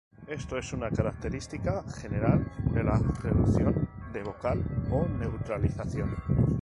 Esto es una característica general de la reducción de vocal o neutralización.